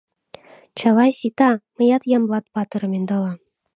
Чавай, сита: мыят Ямблат патырым ӧндалам.